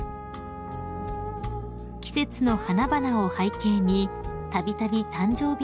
［季節の花々を背景にたびたび誕生日